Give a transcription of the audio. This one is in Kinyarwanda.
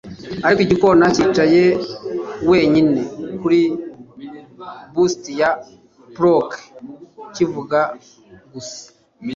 ariko igikona, cyicaye wenyine kuri busti ya plaque, kivuga gusa